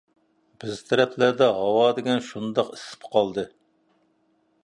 بىز تەرەپلەردە ھاۋا دېگەن شۇنداق ئىسسىپ قالدى.